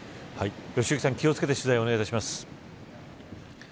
良幸さん気を付けて取材をお願いします。